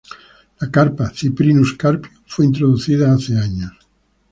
La carpa "Cyprinus carpio" fue introducida hace años.